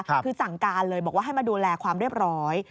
คือสั่งการเลยบอกว่าให้มาดูแลความเรียบร้อย